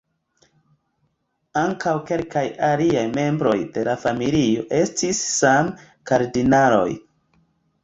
Ankaŭ kelkaj aliaj membroj de la familio estis same kardinaloj.